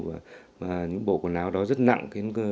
và những bộ quần áo đó rất nặng